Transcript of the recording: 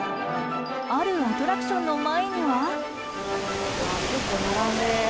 あるアトラクションの前には。